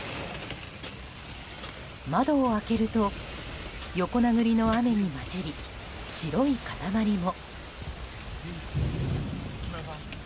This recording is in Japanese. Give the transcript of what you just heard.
窓を開けると横殴りの雨に交じり、白い塊も。